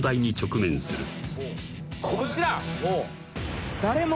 こちら。